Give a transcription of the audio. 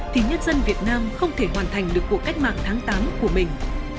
thì nhân dân việt nam không thể hoàn thành được cuộc cách mạng tháng tám của mình